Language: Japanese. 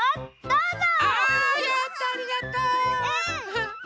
どうぞ！